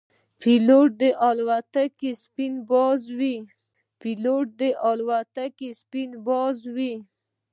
پیلوټ د الوتکې سپین باز وي.